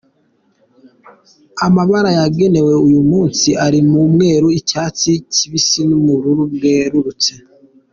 Amabara yagenewe uyu munsi, arimo umweru, icyatsi kibisi n’ubururu bwerurutse.